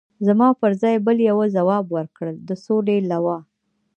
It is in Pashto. زما پر ځای بل یوه ځواب ورکړ: د سولې لوا.